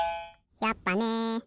やっぱね！